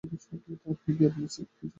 আপনি কি আপনার স্ত্রীকে কিছু বলে যাবেন না?